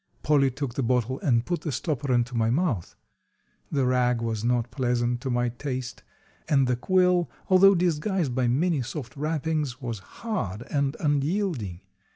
Polly took the bottle and put the stopper into my mouth. The rag was not pleasant to my taste, and the quill, although disguised by many soft wrappings, was hard and unyielding.